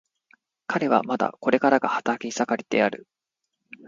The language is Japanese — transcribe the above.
彼はまだこれからが働き盛りである。